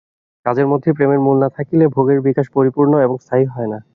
কাজের মধ্যেই প্রেমের মূল না থাকিলে, ভোগের বিকাশ পরিপূর্ণ এবং স্থায়ী হয় না।